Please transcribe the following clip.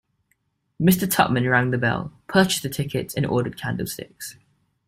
Mr. Tupman rang the bell, purchased the tickets, and ordered candlesticks.